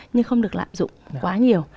nhưng không được lạm dụng quá nhiều